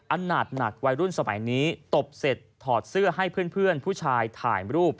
อันหนักวัยรุ่นสมัยนี้ตบเสร็จถอดเสื้อให้เพื่อนผู้ชายถ่ายรูป